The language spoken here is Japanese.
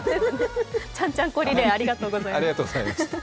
ちゃんちゃんこリレーありがとうございます。